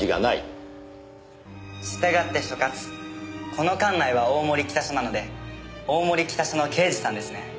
この管内は大森北署なので大森北署の刑事さんですね？